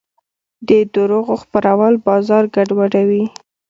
د دروغو خپرول بازار ګډوډوي.